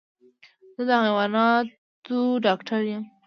زه د حيواناتو ډاکټر يم.